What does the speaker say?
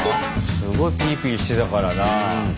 すごいピリピリしてたからな。